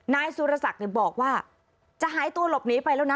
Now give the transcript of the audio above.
นายสุรศักดิ์บอกว่าจะหายตัวหลบหนีไปแล้วนะ